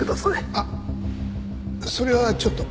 あっそれはちょっと。